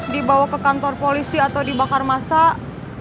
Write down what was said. dibawa ke kantor polisi atau dibakar masak